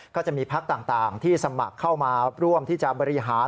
ก็จะมีพักต่างที่สมัครเข้ามาร่วมที่จะบริหาร